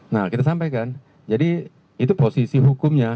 nah kita sampaikan jadi itu posisi hukumnya